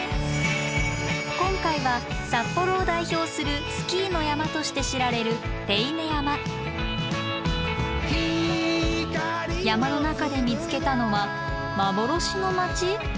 今回は札幌を代表するスキーの山として知られる山の中で見つけたのは幻の街！？